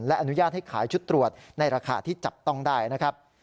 และอนุญาตให้ขายชุดตรวจในราคาที่จับต้องได้นะครับ